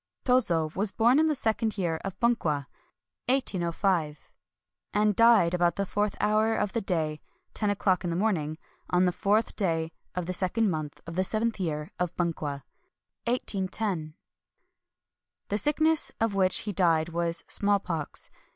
— [Tozo] was born in the second year of Bunkwa , and died at about the fourth hour of the day [10 o^clock in the morn ing^ on the fourth day of the second month of the seventh year of Bunkwa . The sickness of which he died was smallpox.